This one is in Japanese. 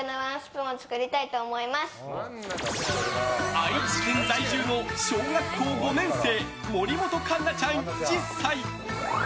愛知県在住の小学校５年生森本栞奈ちゃん、１０歳。